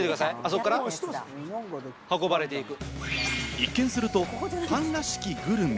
一見するとパンらしきグルメ。